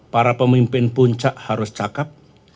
para pemimpin puncak harus cakep